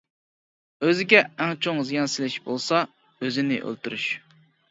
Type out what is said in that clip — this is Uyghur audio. ئۆزىگە ئەڭ چوڭ زىيان سېلىش بولسا، ئۆزىنى ئۆلتۈرۈش.